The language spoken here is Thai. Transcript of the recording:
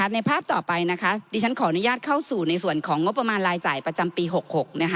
ในภาพต่อไปนะคะดิฉันขออนุญาตเข้าสู่ในส่วนของงบประมาณรายจ่ายประจำปี๖๖